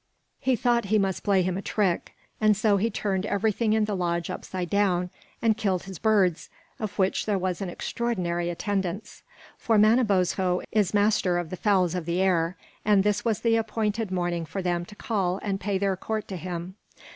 He thought he must play him a trick; and so he turned everything in the lodge upside down and killed his birds, of which there was an extraordinary attendance. For Manabozho is master of the fowls of the air, and this was the appointed morning for them to call and pay their court to him.